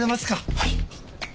はい。